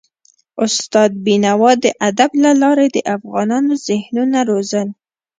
استاد بينوا د ادب له لارې د افغانونو ذهنونه روزل.